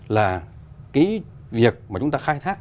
là cái việc mà chúng ta khai thác